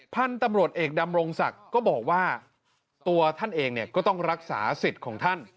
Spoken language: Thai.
พันธุ์ตำรวจเอกดำรงศักดิ์ก็บอกว่าตัวท่านเองเนี่ยก็ต้องรักษาสิทธิ์ของท่าน